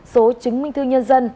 số chứng minh thư nhân dân